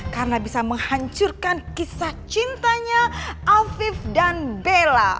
karena bisa menghancurkan kisah cintanya alvif dan bella